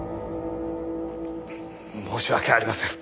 申し訳ありません。